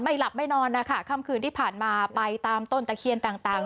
ไม่หลับไม่นอนค่ะคำคืนที่ผ่านมาไปตามต้นตะเคียนต่าง